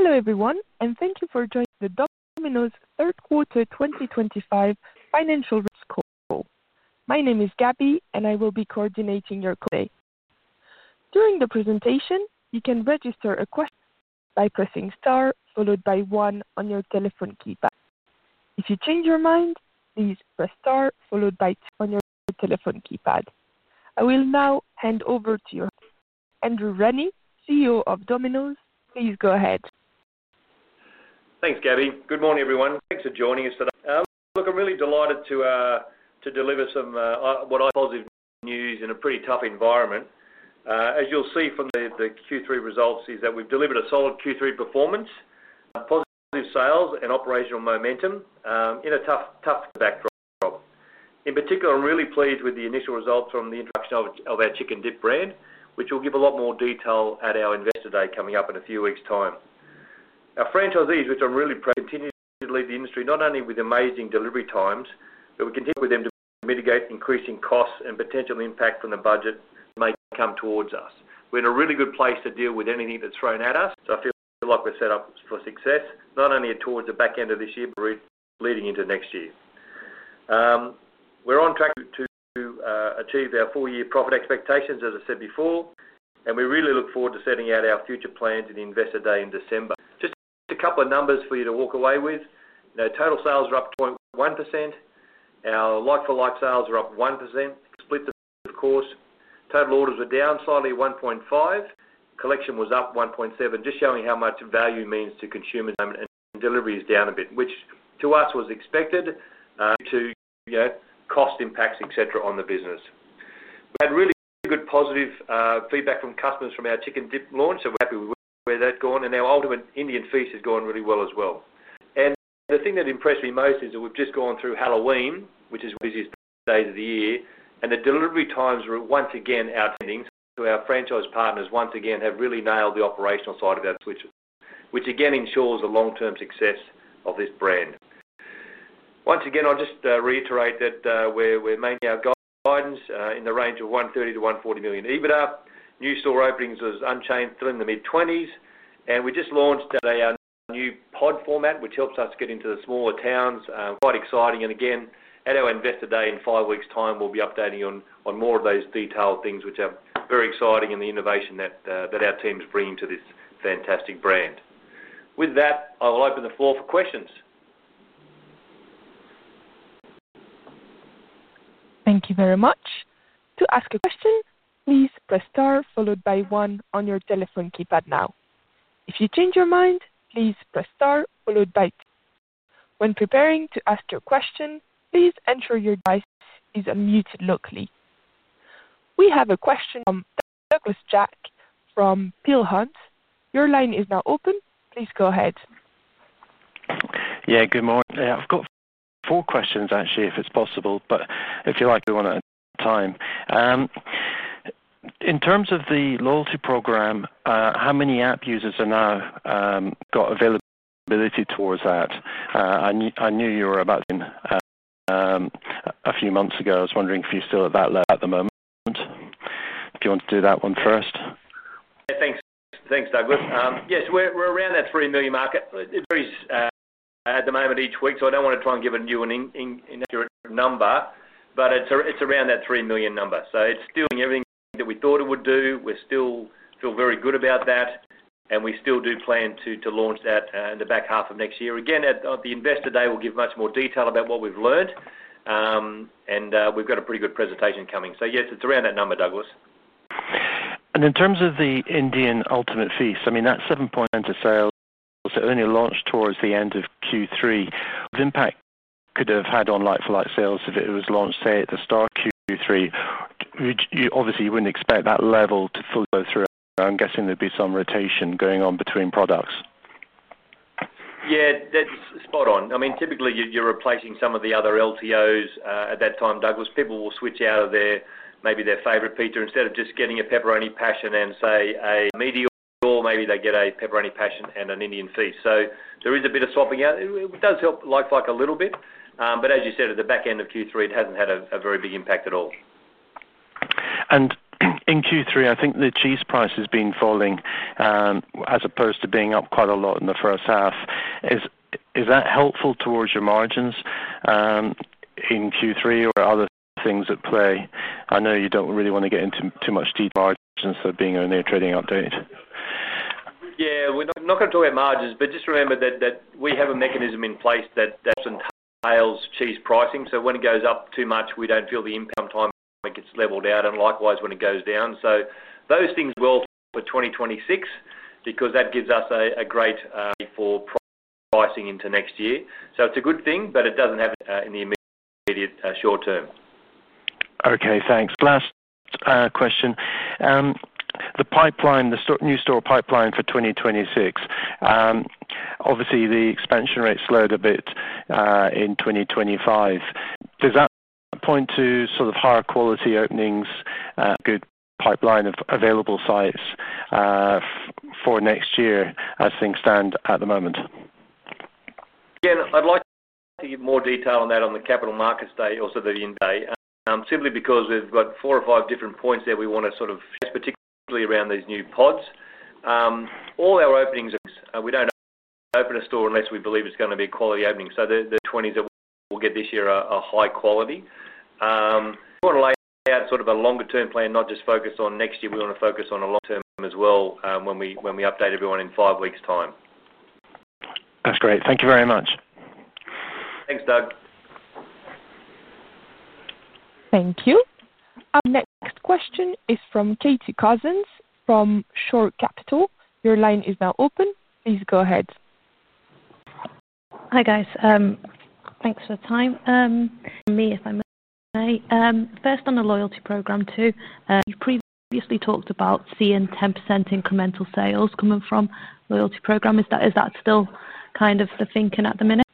Hello everyone, and thank you for joining the Domino's Third Quarter 2025 Financial Result Call. My name is Gabby, and I will be coordinating your call today. During the presentation, you can register a question by pressing star followed by one on your telephone keypad. If you change your mind, please press star followed by two on your telephone keypad. I will now hand over to your Andrew Rennie, CEO of Domino's. Please go ahead. Thanks, Gabby. Good morning, everyone. Thanks for joining us today. Look, I'm really delighted to deliver some, what I think is positive news in a pretty tough environment. As you'll see from the Q3 results, we've delivered a solid Q3 performance, positive sales and operational momentum, in a tough, tough backdrop. In particular, I'm really pleased with the initial results from the introduction of our Chick 'N Dip brand, which we'll give a lot more detail about at our investor day coming up in a few weeks' time. Our franchisees, which I'm really proud of, continue to lead the industry not only with amazing delivery times, but we continue with them to mitigate increasing costs and potential impact from the budget that may come towards us. We're in a really good place to deal with anything that's thrown at us, so I feel like we're set up for success, not only towards the back end of this year but leading into next year. We're on track to achieve our four-year profit expectations, as I said before, and we really look forward to setting out our future plans at investor day in December. Just a couple of numbers for you to walk away with. You know, total sales are up 2.1%. Our like-for-like sales are up 1%, split, of course. Total orders were down slightly, 1.5%. Collection was up 1.7%, just showing how much value means to consumers, and delivery is down a bit, which to us was expected, due to, you know, cost impacts, et cetera., on the business. We had really good, positive feedback from customers from our Chick 'N Dip launch, so we're happy with where that's gone, and our Indian Feast has gone really well as well. The thing that impressed me most is that we've just gone through Halloween, which is one of the busiest days of the year, and the delivery times were once again outstanding, so our franchise partners once again have really nailed the operational side of that switch, which again ensures the long-term success of this brand. Once again, I'll just reiterate that we're maintaining our guidance, in the range of 130 million-140 million EBITDA. New store openings are unchanged through the mid-2020s, and we just launched a new pod format, which helps us get into the smaller towns. Quite exciting, and again, at our investor day in five weeks' time, we'll be updating on more of those detailed things, which are very exciting and the innovation that our team is bringing to this fantastic brand. With that, I will open the floor for questions. Thank you very much. To ask a question, please press star followed by one on your telephone keypad now. If you change your mind, please press star followed by two. When preparing to ask your question, please ensure your device is unmuted locally. We have a question from Douglas Jack from Peel Hunt. Your line is now open. Please go ahead. Yeah, good morning. Yeah, I've got four questions, actually, if it's possible, but if you like, we want to take time. In terms of the loyalty program, how many app users are now, got availability towards that? I knew, I knew you were about in, a few months ago. I was wondering if you're still at that level at the moment, if you want to do that one first. Yeah, thanks. Thanks, Douglas. Yes, we're around that 3 million mark. It varies at the moment each week, so I don't want to try and give you an incorrect number, but it's around that 3 million number. It's still doing everything that we thought it would do. We still feel very good about that, and we still do plan to launch that in the back half of next year. At the investor day, we'll give much more detail about what we've learned, and we've got a pretty good presentation coming. Yes, it's around that number, Douglas. In terms of the Indian Ultimate Feast, I mean, that's [7.92%] sales, so only launched towards the end of Q3. The impact it could have had on like-for-like sales if it was launched, say, at the start of Q3. Would you, obviously, you wouldn't expect that level to fully go through. I'm guessing there'd be some rotation going on between products. Yeah, that's spot on. I mean, typically, you're replacing some of the other LTOs at that time, Douglas. People will switch out of maybe their favorite pizza instead of just getting a Pepperoni Passion and, say, a medior, or maybe they get a Pepperoni Passion and an Indian Feast. There is a bit of swapping out. It does help like-for-like a little bit, but as you said, at the back end of Q3, it hasn't had a very big impact at all. In Q3, I think the cheese price has been falling, as opposed to being up quite a lot in the first half. Is that helpful towards your margins in Q3 or are there other things at play? I know you don't really want to get into too much detail, margins that being on their trading update. Yeah, we're not going to talk about margins, but just remember that we have a mechanism in place that often tails cheese pricing. When it goes up too much, we don't feel the impact. Sometimes when it gets leveled out and likewise when it goes down. Those things will for 2026 because that gives us a great, for pricing into next year. It's a good thing, but it doesn't have an impact in the immediate, short term. Okay, thanks. Last question. The pipeline, the new store pipeline for 2026, obviously, the expansion rate slowed a bit in 2025. Does that point to sort of higher quality openings, good pipeline of available sites for next year as things stand at the moment? Yeah, I'd like to get more detail on that on the capital markets day or sort of the end day, simply because we've got four or five different points that we want to sort of, particularly around these new pods. All our openings, we don't open a store unless we believe it's going to be a quality opening. So the 20s that we'll get this year are high quality. We want to lay out sort of a longer-term plan, not just focus on next year. We want to focus on a long-term as well, when we update everyone in five weeks' time. That's great. Thank you very much. Thanks, Doug. Thank you. Our next question is from Katie Cousins from Shore Capital. Your line is now open. Please go ahead. Hi guys. Thanks for the time. For me, if I may, first on the loyalty program too, you previously talked about seeing 10% incremental sales coming from loyalty program. Is that, is that still kind of the thinking at the minute?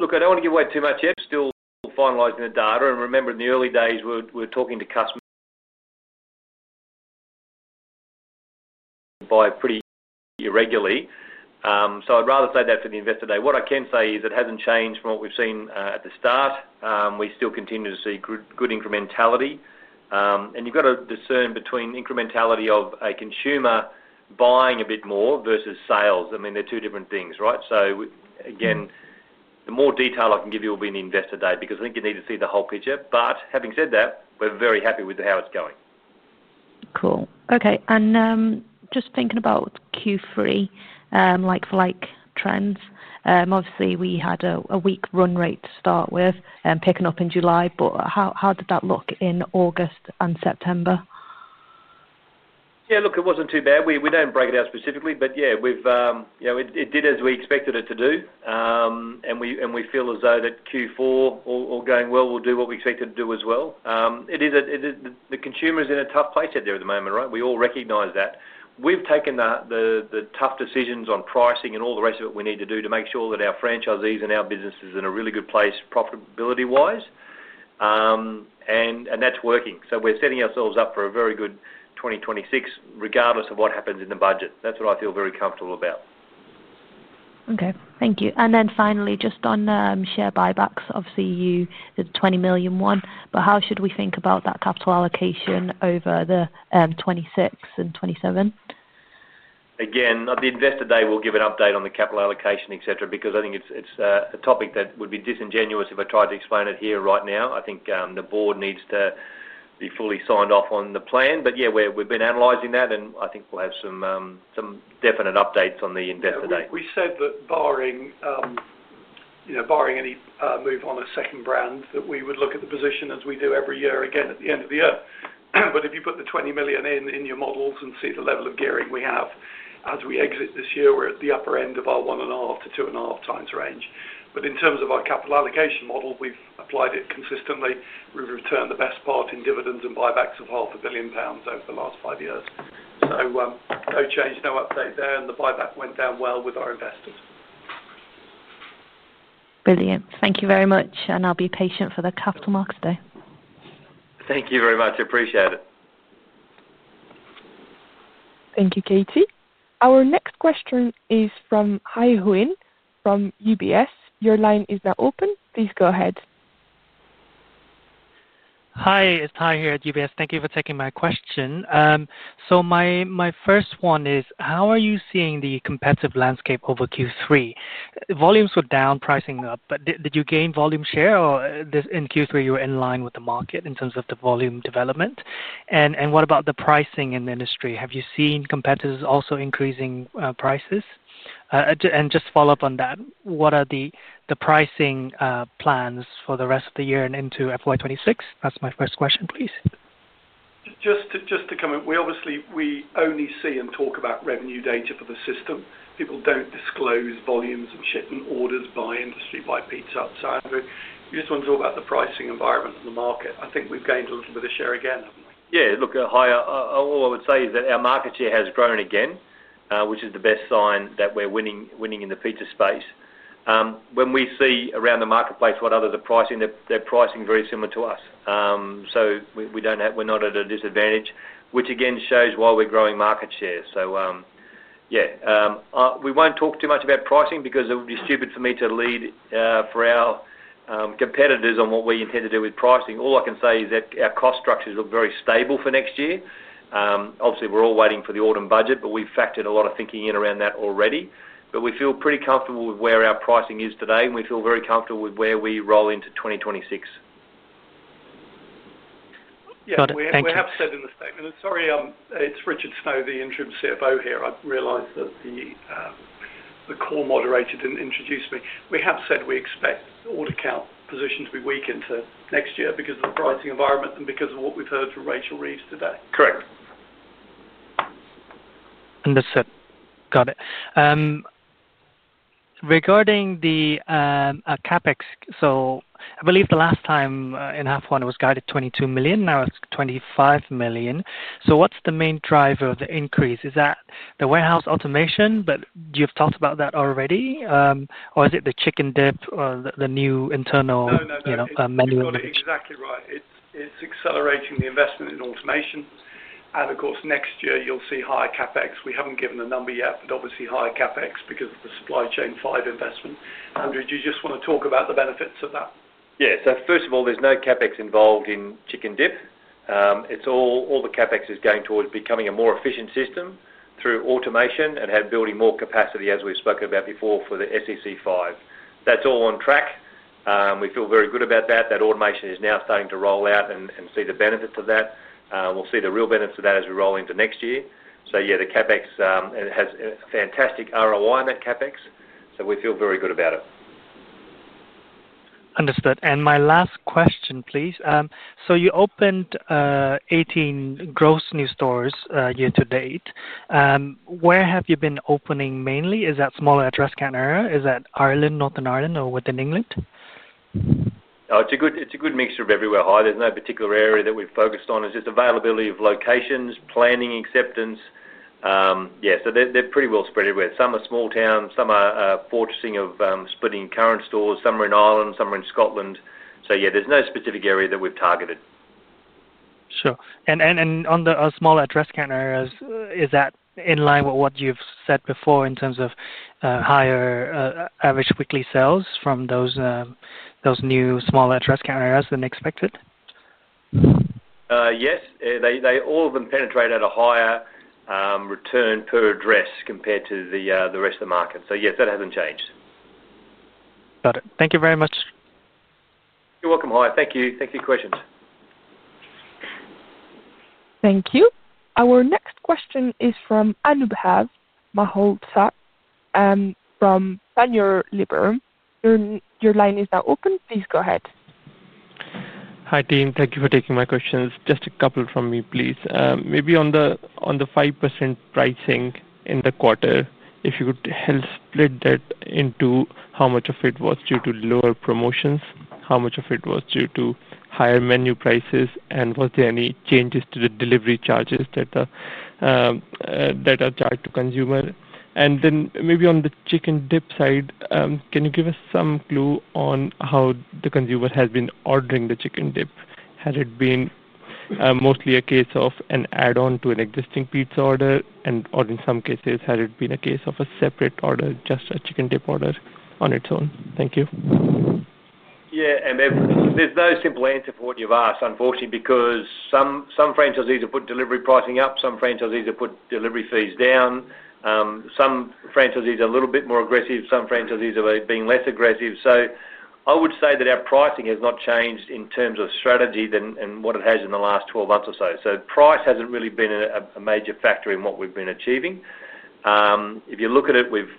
Look, I don't want to give away too much. We're still finalizing the data, and remember in the early days, we're talking to customers who buy pretty irregularly. I'd rather save that for the investor day. What I can say is it hasn't changed from what we've seen at the start. We still continue to see good incrementality. You've got to discern between incrementality of a consumer buying a bit more versus sales. I mean, they're two different things, right? The more detail I can give you will be in the Investor Day because I think you need to see the whole picture. Having said that, we're very happy with how it's going. Cool. Okay. And, just thinking about Q3, like-for-like trends, obviously, we had a weak run rate to start with, picking up in July. How did that look in August and September? Yeah, look, it wasn't too bad. We don't break it out specifically, but yeah, we've, you know, it did as we expected it to do. We feel as though that Q4, all going well, will do what we expected to do as well. It is, the consumer is in a tough place out there at the moment, right? We all recognize that. We've taken the tough decisions on pricing and all the rest of it we need to do to make sure that our franchisees and our business is in a really good place profitability-wise. That's working. We're setting ourselves up for a very good 2026 regardless of what happens in the budget. That's what I feel very comfortable about. Okay. Thank you. And then finally, just on share buybacks, obviously, you have the 20 million one, but how should we think about that capital allocation over the 2026 and 2027? Again, at the Investor Day, we'll give an update on the capital allocation, etc., because I think it's a topic that would be disingenuous if I tried to explain it here right now. I think the board needs to be fully signed off on the plan. Yeah, we've been analyzing that, and I think we'll have some definite updates on the Investor Day. We said that, barring, you know, barring any move on a second brand, that we would look at the position as we do every year again at the end of the year. If you put the 20 million in your models and see the level of gearing we have, as we exit this year, we're at the upper end of our one and a half- to two and a half-times range. In terms of our capital allocation model, we've applied it consistently. We've returned the best part in dividends and buybacks of 500 million pounds over the last five years. No change, no update there, and the buyback went down well with our investors. Brilliant. Thank you very much, and I'll be patient for the Capital Markets Day. Thank you very much. Appreciate it. Thank you, Katie. Our next question is from Hai-Huyen from UBS. Your line is now open. Please go ahead. Hi, it's Hai here at UBS. Thank you for taking my question. My first one is, how are you seeing the competitive landscape over Q3? Volumes were down, pricing up, but did you gain volume share or in Q3 were you in line with the market in terms of the volume development? What about the pricing in the industry? Have you seen competitors also increasing prices? Just to follow up on that, what are the pricing plans for the rest of the year and into FY 2026? That's my first question, please. Just to comment, we obviously, we only see and talk about revenue data for the system. People do not disclose volumes of shipment orders by industry by pizza. I think you just want to talk about the pricing environment and the market. I think we have gained a little bit of share again. Yeah, look, Hai, all I would say is that our market share has grown again, which is the best sign that we're winning, winning in the pizza space. When we see around the marketplace what others are pricing, they're pricing very similar to us. We don't have, we're not at a disadvantage, which again shows why we're growing market share. Yeah, we won't talk too much about pricing because it would be stupid for me to lead, for our competitors on what we intend to do with pricing. All I can say is that our cost structures look very stable for next year. Obviously, we're all waiting for the autumn budget, but we've factored a lot of thinking in around that already. We feel pretty comfortable with where our pricing is today, and we feel very comfortable with where we roll into 2026. Yeah, we have said in the statement, and sorry, it's Richard Snow, the Interim CFOhere. I realize that the call moderator didn't introduce me. We have said we expect order count positions to be weakened for next year because of the pricing environment and because of what we've heard from Rachel Reeves today. Correct. Understood. Got it. Regarding the CapEx, I believe the last time, in half one it was guided 22 million. Now it's 25 million. What's the main driver of the increase? Is that the warehouse automation, but you've talked about that already, or is it the Chick 'N Dip or the new internal, you know, manual? No, no, no. You're exactly right. It's accelerating the investment in automation. Of course, next year you'll see higher CapEx. We haven't given a number yet, but obviously higher CapEx because of the supply chain fiber investment. Andrew, do you just want to talk about the benefits of that? Yeah. First of all, there's no CapEx involved in Chick 'N Dip. It's all, all the CapEx is going towards becoming a more efficient system through automation and building more capacity, as we've spoken about before, for the SEC File. That's all on track. We feel very good about that. That automation is now starting to roll out and see the benefits of that. We'll see the real benefits of that as we roll into next year. The CapEx has a fantastic ROI on that CapEx. We feel very good about it. Understood. And my last question, please. You opened 18 gross new stores year to date. Where have you been opening mainly? Is that smaller address count area? Is that Ireland, Northern Ireland, or within England? It's a good, it's a good mixture of everywhere, Hai. There's no particular area that we've focused on. It's just availability of locations, planning, acceptance. Yeah, so they're pretty well spread everywhere. Some are small towns. Some are fortressing of, splitting current stores. Some are in Ireland. Some are in Scotland. Yeah, there's no specific area that we've targeted. Sure. And on the smaller address count areas, is that in line with what you've said before in terms of higher average weekly sales from those new smaller address count areas than expected? Yes. All of them penetrate at a higher return per address compared to the rest of the market. Yes, that hasn't changed. Got it. Thank you very much. You're welcome, Hai. Thank you. Thank you for your questions. Thank you. Our next question is from Anubhav Malhotra from Panmure Liberum. Your line is now open. Please go ahead. Hi, team. Thank you for taking my questions. Just a couple from me, please. Maybe on the, on the 5% pricing in the quarter, if you could help split that into how much of it was due to lower promotions, how much of it was due to higher menu prices, and was there any changes to the delivery charges that are charged to consumers. Then maybe on the Chick 'N Dip side, can you give us some clue on how the consumer has been ordering the Chick 'N Dip? Has it been mostly a case of an add-on to an existing pizza order, and or in some cases, has it been a case of a separate order, just a Chick 'N Dip order on its own? Thank you. Yeah. There is no simple answer for what you've asked, unfortunately, because some franchisees have put delivery pricing up, some franchisees have put delivery fees down, some franchisees are a little bit more aggressive, some franchisees are being less aggressive. I would say that our pricing has not changed in terms of strategy than what it has in the last 12 months or so. Price has not really been a major factor in what we've been achieving. If you look at it, we've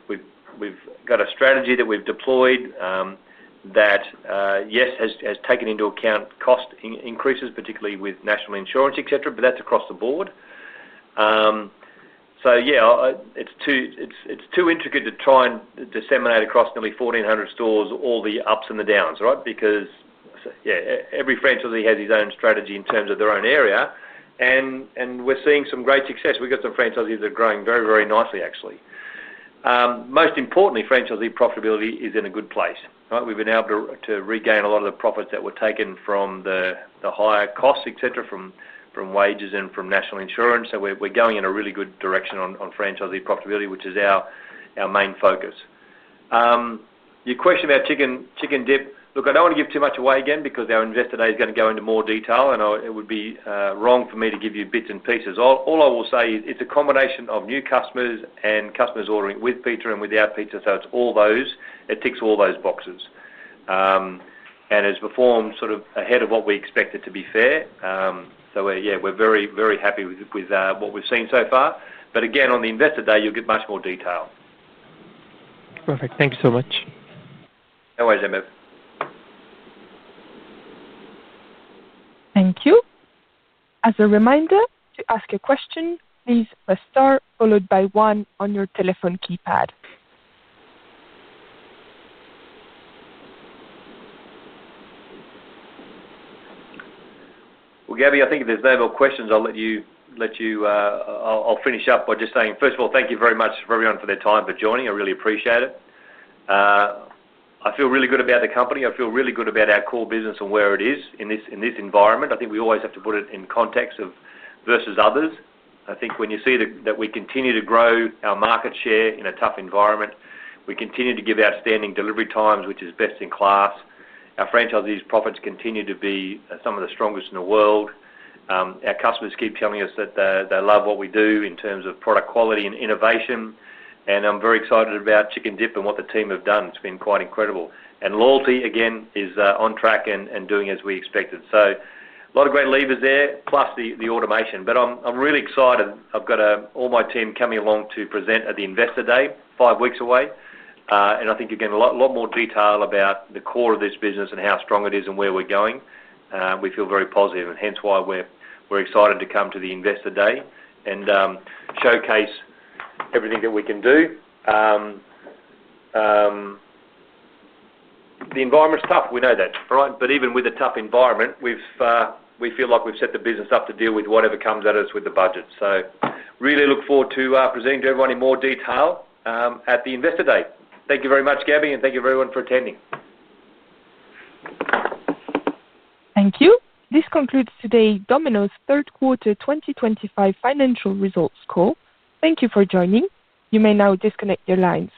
got a strategy that we've deployed that, yes, has taken into account cost increases, particularly with national insurance, etc., but that is across the board. Yeah, it is too intricate to try and disseminate across nearly 1,400 stores all the ups and the downs, right? Because every franchisee has his own strategy in terms of their own area. We are seeing some great success. We've got some franchisees that are growing very, very nicely, actually. Most importantly, franchisee profitability is in a good place, right? We've been able to regain a lot of the profits that were taken from the higher costs, etc., from wages and from national insurance. We are going in a really good direction on franchisee profitability, which is our main focus. Your question about Chick 'N Dip, look, I do not want to give too much away again because our investor day is going to go into more detail, and it would be wrong for me to give you bits and pieces. All I will say is it is a combination of new customers and customers ordering with pizza and without pizza. It is all those. It ticks all those boxes, and it has performed sort of ahead of what we expected, to be fair. We are very, very happy with what we have seen so far. Again, on the Investor Day, you will get much more detail. Perfect. Thank you so much. No worries, Emma. Thank you. As a reminder, to ask a question, please press star followed by one on your telephone keypad. Gabby, I think if there's no more questions, I'll finish up by just saying, first of all, thank you very much for everyone for their time for joining. I really appreciate it. I feel really good about the company. I feel really good about our core business and where it is in this environment. I think we always have to put it in context of versus others. I think when you see that we continue to grow our market share in a tough environment, we continue to give outstanding delivery times, which is best in class. Our franchisees' profits continue to be some of the strongest in the world. Our customers keep telling us that they love what we do in terms of product quality and innovation. I'm very excited about Chick 'N Dip and what the team have done. It's been quite incredible. And loyalty, again, is on track and doing as we expected. A lot of great levers there, plus the automation. I'm really excited. I've got all my team coming along to present at the Investor Day five weeks away, and I think you're getting a lot more detail about the core of this business and how strong it is and where we're going. We feel very positive, and hence why we're excited to come to the Investor Day and showcase everything that we can do. The environment's tough. We know that, right? Even with a tough environment, we feel like we've set the business up to deal with whatever comes at us with the budget. I really look forward to presenting to everyone in more detail at the Investor Day. Thank you very much, Gabby, and thank you everyone for attending. Thank you. This concludes today Domino's third quarter 2025 financial results call. Thank you for joining. You may now disconnect your lines.